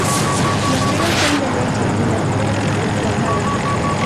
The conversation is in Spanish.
Los ríos son de leche y las piedras de cuajada.